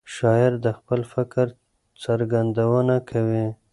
شاعر د خپل فکر څرګندونه کوي.